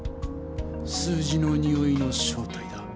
数字のにおいの正体だ。